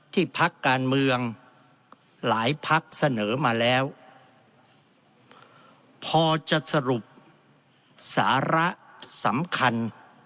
พักการเมืองหลายพักเสนอมาแล้วพอจะสรุปสาระสำคัญ